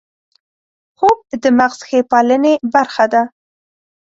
خوب د مغز ښې پالنې برخه ده